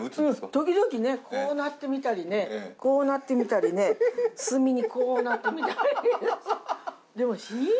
時々こうなってみたりね、こうなってみたりね、隅にこうなってみたりね。